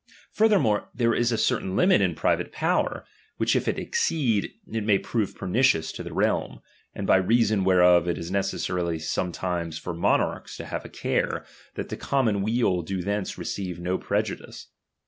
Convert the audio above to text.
Furthermore, there is a certain limit in ■private power, which if it exceed, it may prove pernicious to the realm ; and by reason whereof it is necessary sometimes for monarchs to have a care, that the common weal do thence receive no prejudice.